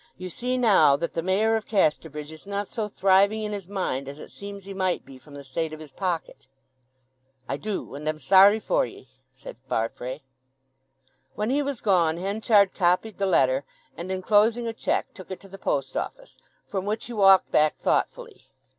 You see now that the Mayor of Casterbridge is not so thriving in his mind as it seems he might be from the state of his pocket." "I do. And I'm sorry for ye!" said Farfrae. When he was gone Henchard copied the letter, and, enclosing a cheque, took it to the post office, from which he walked back thoughtfully.